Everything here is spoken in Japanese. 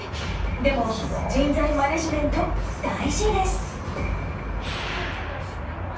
でも人材マネジメント大事です。